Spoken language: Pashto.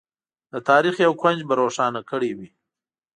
د تاریخ یو کونج به روښانه کړی وي.